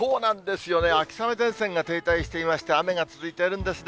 秋雨前線が停滞していまして、雨が続いているんですね。